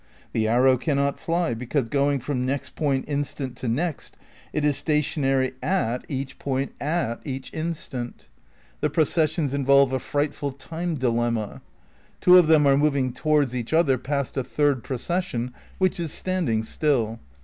The arrow cannot fly, because going from next point instant to next, it is stationary at each 139 140 THE NEW IDEALISM iv point at each instant. The processions involve a fright ful time dilemma. Two of them are moving towards each other past a third procession which is standing still.